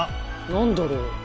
何だろう？